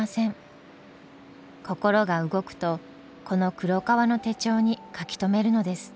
心が動くとこの黒革の手帳に書き留めるのです。